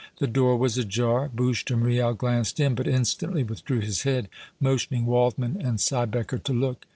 The door was ajar. Bouche de Miel glanced in, but instantly withdrew his head, motioning Waldmann and Siebecker to look.